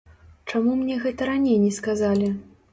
Чаму мне гэта раней не сказалі?!